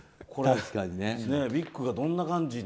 ビッグがどんな感じに。